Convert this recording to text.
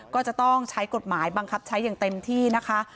ก็จะต้องใช้กฎหมายบังคับใช้อย่างเต็มที่นะคะ